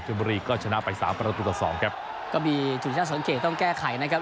บุรีก็ชนะไปสามประตูต่อสองครับก็มีทีมชาติสังเกตต้องแก้ไขนะครับ